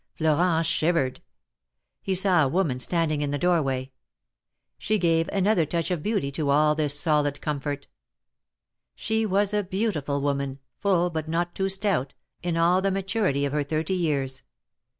Florent shivered. He saw a woman standing in the doorway. She gave another touch of beauty to all this solid comfort. She was a beautiful woman, full but not too stout, in all the maturity of her thirty years.